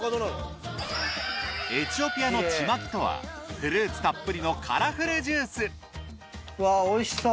エチオピアのチマキとはフルーツたっぷりのカラフルジュースおいしそう！